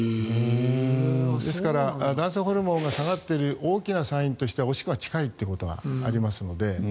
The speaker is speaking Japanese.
ですから男性ホルモンが下がっている大きなサインとしてはおしっこが近いということがありますので。